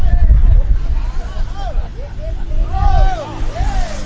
วันนี้เราจะมาจอดรถที่แรงละเห็นเป็น